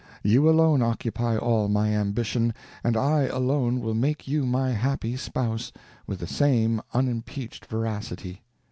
You alone occupy all my ambition, and I alone will make you my happy spouse, with the same unimpeached veracity.